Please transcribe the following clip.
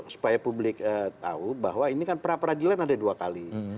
supaya publik tahu bahwa ini kan pra peradilan ada dua kali